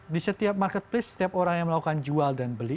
di setiap marketplace setiap orang yang melakukan jual dan beli